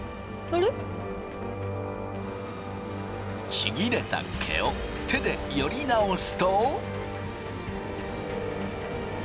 ちぎれた毛を手でより直すと。